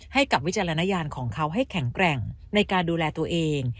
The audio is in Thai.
วิจารณญาณของเขาให้แข็งแกร่งในการดูแลตัวเอง